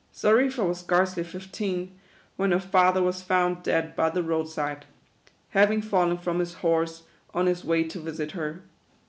Xarifa was scarcely fifteen, when her father was found dead by the road side ; having fallen from his horse, on his way to visit her.